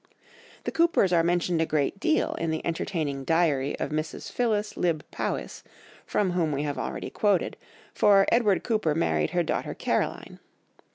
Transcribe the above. The Coopers are mentioned a great deal in the entertaining Diary of Mrs. Philip Lybbe Powys, from which we have already quoted, for Edward Cooper married her daughter Caroline.